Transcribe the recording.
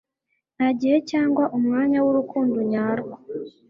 Nta gihe cyangwa umwanya w'urukundo nyarwo.